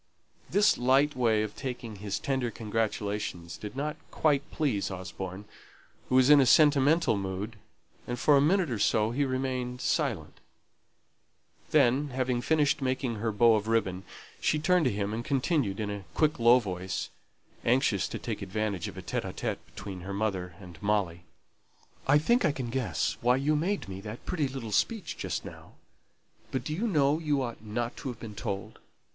This light way of taking his tender congratulation did not quite please Osborne, who was in a sentimental mood, and for a minute or so he remained silent. Then, having finished making her bow of ribbon, she turned to him, and continued in a quick low voice, anxious to take advantage of a conversation between her mother and Molly, "I think I can guess why you made that pretty little speech just now. But do you know you ought not to have been told?